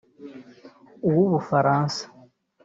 uw’u Bufaransa